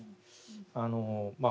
あのまあ